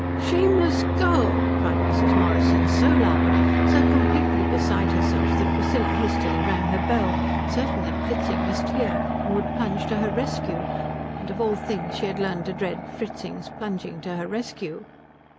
"Shameless girl!" cried Mrs. Morrison, so loud, so completely beside herself, that Priscilla hastily rang her bell, certain that Fritzing must hear and would plunge in to her rescue; and of all things she had learned to dread Fritzing's plunging to her rescue.